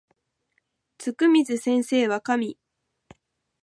つくみず先生は神